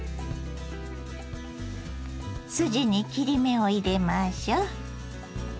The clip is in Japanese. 筋に切り目を入れましょう。